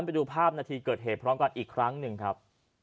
ไปดูภาพนาทีเกิดเหตุพร้อมกันอีกครั้งหนึ่งครับ